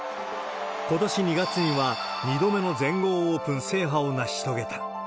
ことし２月には、２度目の全豪オープン制覇を成し遂げた。